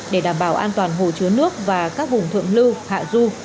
để đảm bảo an toàn hồ chứa nước và các vùng thượng lưu hạ du